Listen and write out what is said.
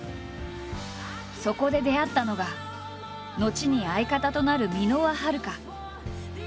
そこで出会ったのが後に相方となる箕輪はるか。